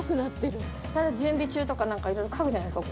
準備中とか何かいろいろ書くじゃないですか